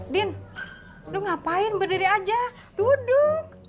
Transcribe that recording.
din lu ngapain berdiri aja duduk